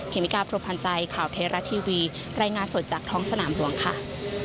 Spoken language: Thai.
เมกาพรมพันธ์ใจข่าวเทราะทีวีรายงานสดจากท้องสนามหลวงค่ะ